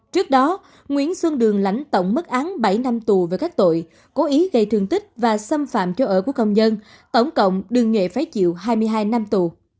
trước đó nguyễn xuân đường lãnh tổng mất án bảy năm tù về các tội cố ý gây trường tích và xâm phạm cho ở của công nhân tổng cộng đường nghệ phải chịu hai mươi hai năm tù